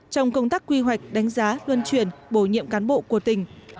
trong công tác quy hoạch đánh giá luân chuyển bổ nhiệm cán bộ của tỉnh